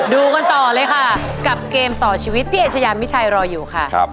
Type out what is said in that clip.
ดูกันต่อเลยค่ะกับเกมต่อชีวิตพี่เอชยามิชัยรออยู่ค่ะ